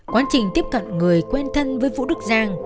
quá trình tiếp cận người quen thân với vũ đức giang